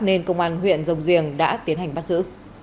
nên công an huyện rồng giềng đã tiến hành bắt giữ